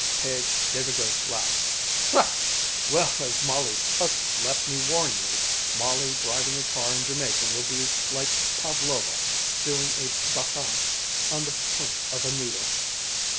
Page gave a great laugh. "Well, as Molly's cousin, let me warn you! Molly driving a car in Jamaica will be like Pavlova doing a bacchante on the point of a needle!